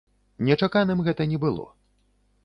Нечаканым гэта не было.